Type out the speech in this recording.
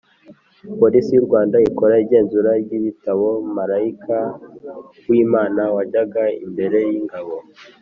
Polisi y u Rwanda ikora igenzura ry ibitabo Marayika w Imana wajyaga imbere y ingabo